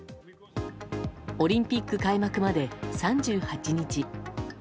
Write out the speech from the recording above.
オリンピック開幕まで３８日。